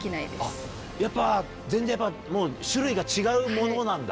全然種類が違うものなんだ。